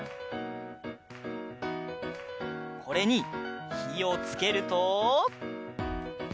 これにひをつけると。